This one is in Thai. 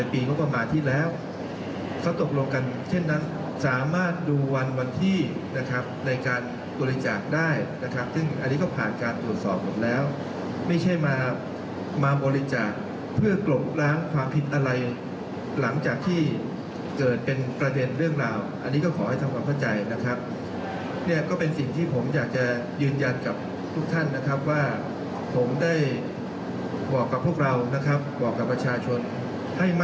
ปีงบประมาณที่แล้วเขาตกลงกันเช่นนั้นสามารถดูวันวันที่นะครับในการบริจาคได้นะครับซึ่งอันนี้ก็ผ่านการตรวจสอบหมดแล้วไม่ใช่มามาบริจาคเพื่อกลบล้างความผิดอะไรหลังจากที่เกิดเป็นประเด็นเรื่องราวอันนี้ก็ขอให้ทำความเข้าใจนะครับเนี่ยก็เป็นสิ่งที่ผมอยากจะยืนยันกับทุกท่านนะครับว่าผมได้บอกกับพวกเรานะครับบอกกับประชาชนให้มา